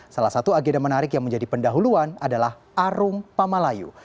salah satu agenda menarik yang menjadi pendahuluan adalah arung pamalayu